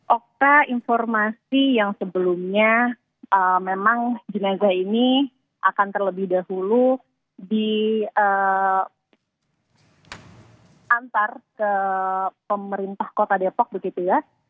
okta informasi yang sebelumnya memang jenazah ini akan terlebih dahulu diantar ke pemerintah kota depok begitu ya